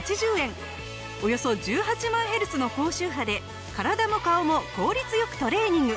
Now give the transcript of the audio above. およそ１８万ヘルツの高周波で体も顔も効率良くトレーニング。